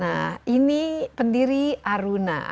nah ini pendiri aruna